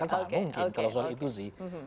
kan sangat mungkin kalau soal itu sih